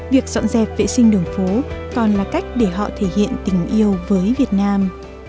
việc dọn dẹp vệ sinh đường phố còn là cách để họ thể hiện tình yêu với việt nam